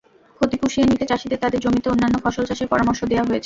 ক্ষতি পুষিয়ে নিতে চাষিদের তাঁদের জমিতে অন্যান্য ফসল চাষের পরামর্শ দেওয়া হয়েছে।